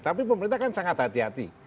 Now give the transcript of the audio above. tapi pemerintah kan sangat hati hati